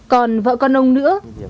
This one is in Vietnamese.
còn vợ con ông nữa